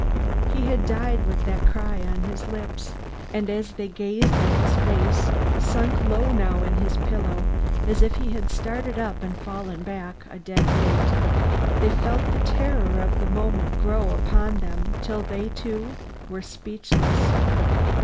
He had died with that cry on his lips, and as they gazed at his face, sunk low now in his pillow as if he had started up and fallen back, a dead weight, they felt the terror of the moment grow upon them till they, too, were speechless.